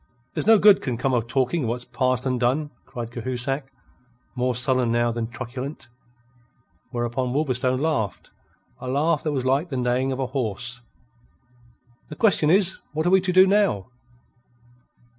"There's no good can come of talking of what's past and done," cried Cahusac, more sullen now than truculent. Whereupon Wolverstone laughed, a laugh that was like the neighing of a horse. "The question is: what are we to do now?"